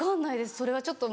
それはちょっと。